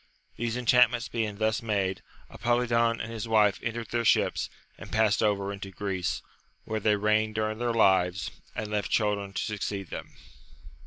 These enchantments being thus made, Apolidon and his wife entered their ships, and passed over into Greece, where they reigned during their lives, and left children to succeed them.